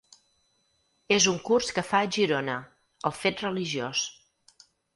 És un curs que fa a Girona: “El fet religiós”.